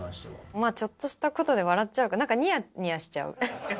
まあちょっとしたことで、笑っちゃうかな、なんかにやにやしちゃう。